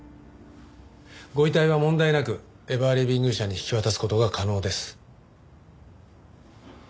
ご遺体は問題なくエバーリビング社に引き渡す事が可能です。